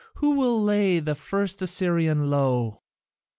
Who will lay the first Assyrian low?"